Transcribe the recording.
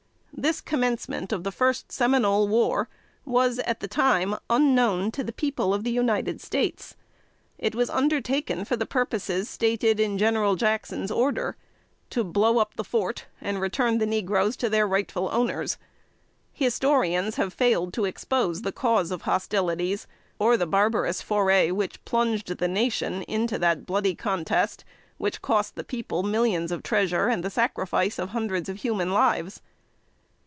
This commencement of the first Seminole war was, at the time, unknown to the people of the United States. It was undertaken for the purposes stated in General Jackson's order, to "blow up the fort, and return the negroes to their rightful owners." Historians have failed to expose the cause of hostilities, or the barbarous foray which plunged the nation into that bloody contest which cost the people millions of treasure and the sacrifice of hundreds of human lives.